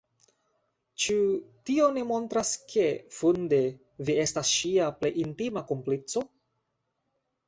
Ĉu tio ne montras ke, funde, vi estas ŝia plej intima komplico?